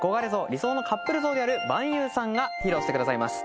理想のカップル像であるヴァンゆんさんが披露してくださいます